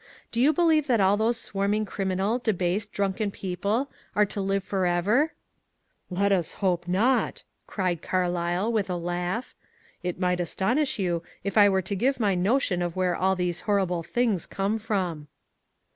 Do you believe that all those swarming criminal, debased, drunken people are to live for ever ?"Let us hope not !" cried Carlyle, with a laugh. " It might astonish yon if I were to give my notion of where all these horrible things come from